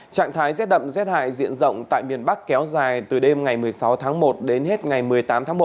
trạng thái rét đậm rét hại diện rộng tại miền bắc kéo dài từ đêm ngày một mươi sáu tháng một đến hết ngày một mươi tám tháng một